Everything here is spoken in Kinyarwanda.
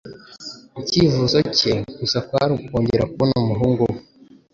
Icyifuzo cye gusa kwari ukongera kubona umuhungu we.